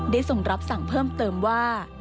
ทรงรับสั่งเพิ่มเติมว่า